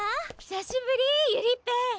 久しぶりゆりっぺ！